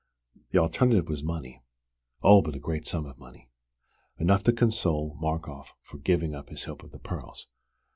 The alternative was money oh, but a great sum of money enough to console Markoff for giving up his hope of the pearls.